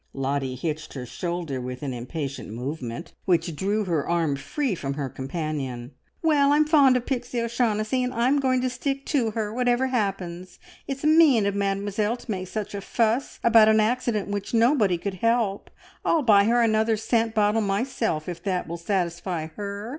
Lottie hitched her shoulder with an impatient movement which drew her arm free from her companion. "Well, I'm fond of Pixie O'Shaughnessy, and I am going to stick to her, whatever happens! It's mean of Mademoiselle to make such a fuss about an accident which nobody could help. I'll buy her another scent bottle myself, if that will satisfy her.